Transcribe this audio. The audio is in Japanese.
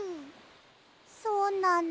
そうなんだ。